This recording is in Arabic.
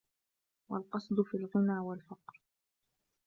وَالْقَصْدُ فِي الْغِنَى وَالْفَقْرِ